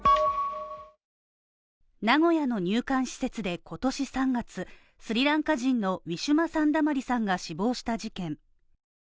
名古屋の入管施設で今年３月スリランカ人のウィシュマ・サンダマリさんが死亡した事件。